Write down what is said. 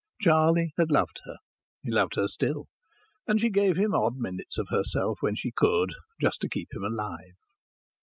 Charlie had loved her; he loved her still; and she gave him odd minutes of herself when she could, just to keep him alive.